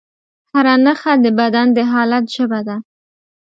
هره نښه د بدن د حالت ژبه ده.